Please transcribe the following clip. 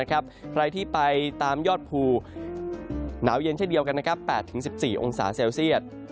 ใครที่ไปตามยอดภูหนาวเย็นเช่นเดียวกัน๘๑๔องศาเซลเซียต